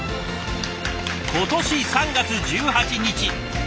今年３月１８日。